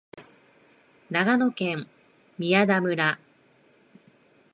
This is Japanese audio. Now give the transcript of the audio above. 長野県宮田村